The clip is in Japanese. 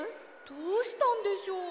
どうしたんでしょう？